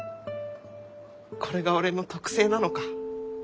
これが俺の特性なのか。